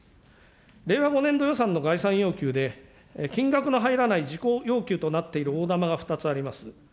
令和５年度予算の概算要求で、金額の入らない事項要求となっている大玉が２つあります。